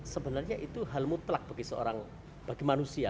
sebenarnya itu hal mutlak bagi manusia